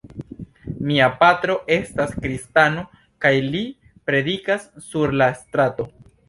Mia patro estas kristano kaj li predikas sur la strato.